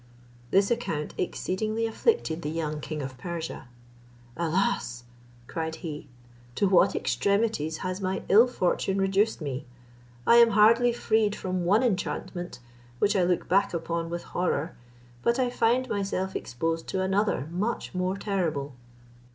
This account exceedingly afflicted the young king of Persia: "Alas!" cried he, "to what extremities has my ill fortune reduced me! I am hardly freed from one enchantment, which I look back upon with horror, but I find myself exposed to another much more terrible."